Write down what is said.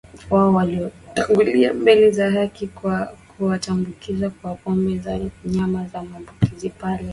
wao waliotangulia mbele za haki kwa kuwatambikia kwa pombe na nyama za mbuzi pale